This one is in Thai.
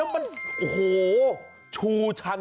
เออมันเป็นชูชัน